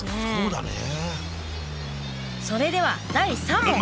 それでは第３問！